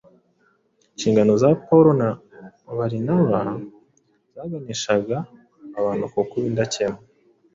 inyigisho za Pawulo na Barinaba zaganishaga abantu ku kuba indakemwa